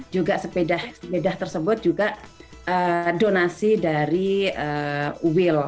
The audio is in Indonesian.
juga sepeda sepeda tersebut juga donasi dari uil